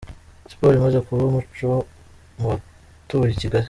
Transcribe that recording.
Siporo imaze kuba umuco mu batuye i Kigali.